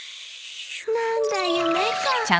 何だ夢か。